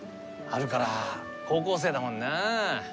春から高校生だもんなあ。